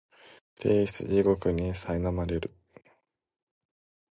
提出地獄にさいなまれる